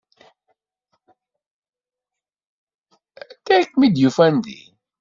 Anta i kem-id-yufan din?